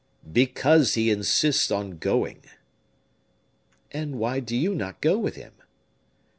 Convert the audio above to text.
"Because he insists on going." "And why do you not go with him?"